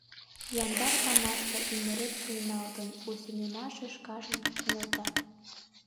Яндар памашла ӱмырет шуйналтын, у сеҥымашыш кажным кынелта.